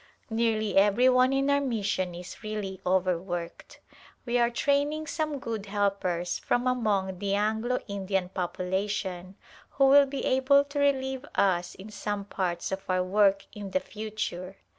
Nearly every one in our mission is really overworked. We are training some good helpers from among the Anglo Indian population who will be able to relieve us in some parts of our work in the future.